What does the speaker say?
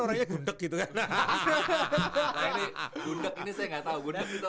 nah ini gundek ini saya gak tau